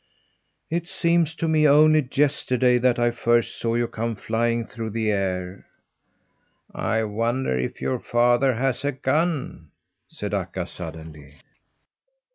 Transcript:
"It seems to me only yesterday that I first saw you come flying through the air." "I wonder if your father has a gun," said Akka suddenly.